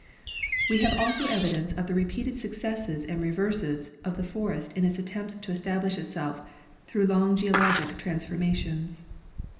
We have also evidences of the repeated suc cesses and reverses of the forest in its attempts to establish itself through long geologic transformations.